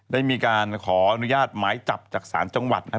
ได้มีการขออนุญาตหมายจับจากศาลจังหวัดนะครับ